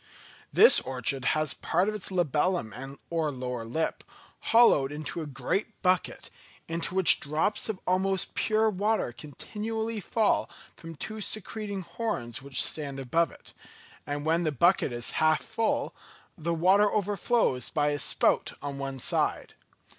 This orchid has part of its labellum or lower lip hollowed out into a great bucket, into which drops of almost pure water continually fall from two secreting horns which stand above it; and when the bucket is half full, the water overflows by a spout on one side.